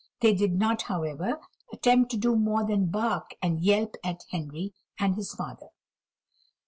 They did not, however, attempt to do more than bark and yelp at Henry and his father.